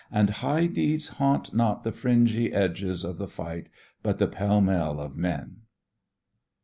And high deeds Haunt not the fringy edges of the fight, But the pell mell of men.